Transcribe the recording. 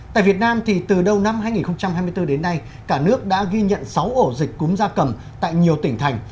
tại việt nam từ đầu năm hai nghìn hai mươi bốn đến nay cả nước đã ghi nhận sáu ổ dịch cúm da cầm tại nhiều tỉnh thành